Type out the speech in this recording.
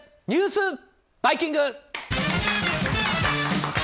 ニュースバイキング。